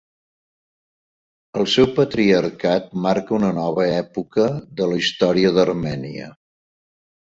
Els seu patriarcat marca una nova època de la història d'Armènia.